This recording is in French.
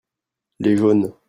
les jaunes.